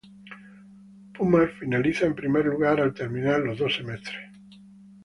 Pumas finaliza en primer lugar al terminar los dos semestres.